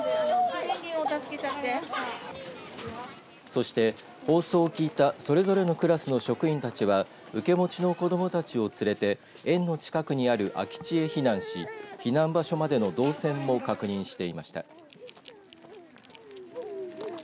そして、放送を聞いたそれぞれのクラスの職員たちは受け持ちの子どもたちを連れて園の近くにある空き地へ避難し、避難場所までの動線も確認していました。